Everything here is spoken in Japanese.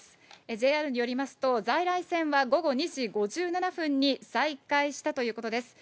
ＪＲによりますと、在来線は午後２時５７分に再開したということです。